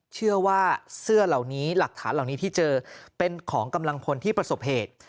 เชื่อว่าเสื้อเหล่านี้หลักฐานเหล่านี้ที่เจอเป็นของกำลังพลที่ประสบเหตุ